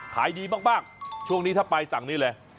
ขายดีมากช่วงนี้ถ้าไปสั่งนี้เลย